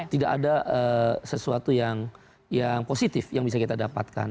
tidak ada sesuatu yang positif yang bisa kita dapatkan